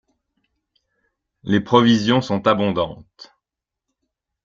Les provisions sont abondantes.